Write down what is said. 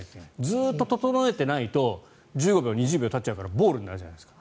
ずっと整えていないと１５秒、２０秒たっちゃうからボールになるじゃないですか。